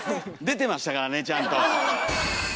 出てましたからねちゃんと。